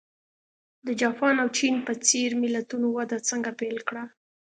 د جاپان او چین په څېر ملتونو وده څنګه پیل کړه.